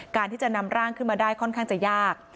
การที่จะนำร่างขึ้นมาได้ค่อนข้างจะยาก